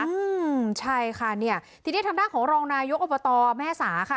อืมใช่ค่ะเนี้ยทีนี้ทางด้านของรองนายกอบตแม่สาค่ะ